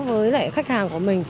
với lại khách hàng của mình